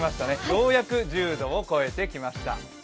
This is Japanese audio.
ようやく１０度を超えてきました。